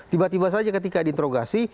tiba tiba saja ketika diinterogasi